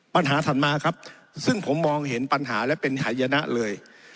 ถัดมาครับซึ่งผมมองเห็นปัญหาและเป็นหายนะเลย